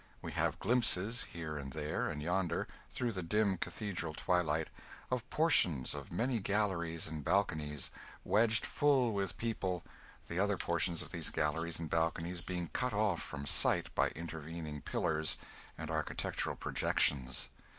We have glimpses, here and there and yonder, through the dim cathedral twilight, of portions of many galleries and balconies, wedged full with other people, the other portions of these galleries and balconies being cut off from sight by intervening pillars and architectural projections.